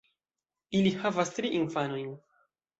Ili havas tri infanojn.